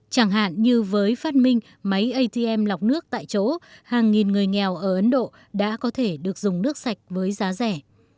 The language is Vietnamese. chẳng hạn như với phát minh máy atm lọc nước tại chỗ hàng nghìn người nghèo ở ấn độ đã có thể được dùng nước sạch với giá rẻ